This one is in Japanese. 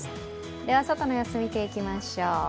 では外の様子、見ていきましょう。